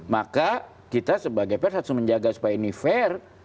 maka kita sebagai pers harus menjaga supaya ini fair